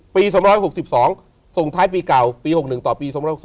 ๒๖๒ส่งท้ายปีเก่าปี๖๑ต่อปี๒๖๒